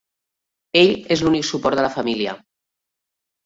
Ell és l'únic suport de la família.